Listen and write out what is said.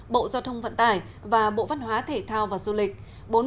bộ giao thông vận tải và bộ văn hóa thể thao và du lịch